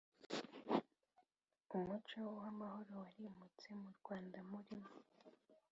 Umuco w’amahoro warimitswe mu Rwandamurima